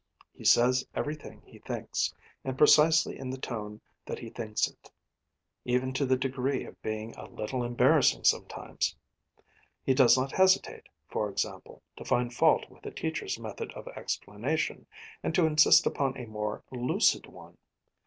He says everything he thinks, and precisely in the tone that he thinks it, even to the degree of being a little embarrassing sometimes. He does not hesitate, for example, to find fault with a teacher's method of explanation, and to insist upon a more lucid one.